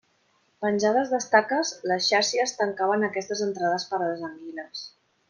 Penjades d'estaques, les xàrcies tancaven aquestes entrades per a les anguiles.